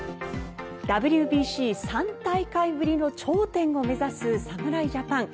ＷＢＣ３大会ぶりの頂点を目指す侍ジャパン。